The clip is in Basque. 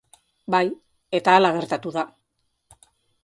Bai, eta hala gertatu da.